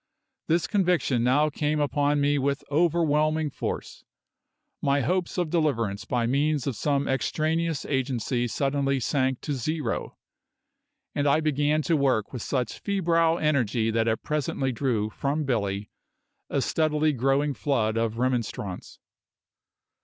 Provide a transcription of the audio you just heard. This conviction now came upon me with overwhelming force; my hopes of deliverance by means of some extraneous agency suddenly sank to zero, and I began to work with such febrile energy that it presently drew from Billy a steadily growing flood of remonstrance.